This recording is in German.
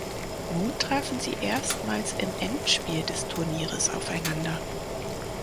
Nun trafen sie erstmals im Endspiel des Turnieres aufeinander.